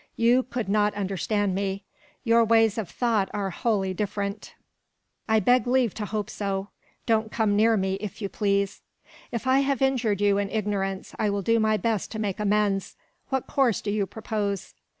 You could not understand me. Your ways of thought are wholly different." "I beg leave to hope so. Don't come near me, if you please." "If I have injured you in ignorance, I will do my best to make amends. What course do you propose?"